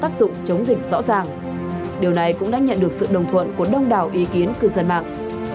tác dụng chống dịch rõ ràng điều này cũng đã nhận được sự đồng thuận của đông đảo ý kiến cư dân mạng